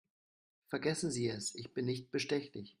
Vergessen Sie es, ich bin nicht bestechlich.